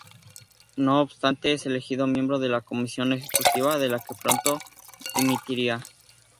No obstante, es elegido miembro de la Comisión Ejecutiva, de la que pronto dimitiría.